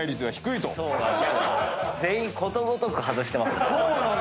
全員ことごとく外してますね。